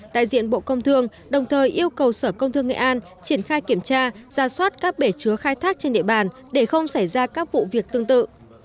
đại diện bộ công thương đồng thời yêu cầu sở công thương nghệ an triển khai kiểm tra ra soát các bể chứa khai thác trên địa bàn để không xảy ra các vụ việc tương tự